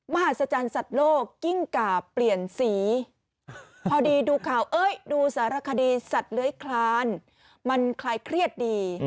มหาศจรรย์สัตว์โลกกิ้งก่าเปลี่ยนสีพอดีดูข่าวเอ้ยดูสารคดีสัตว์เลื้อยคลานมันคลายเครียดดี